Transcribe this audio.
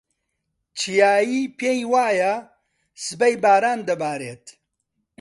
چیایی پێی وایە سبەی باران دەبارێت.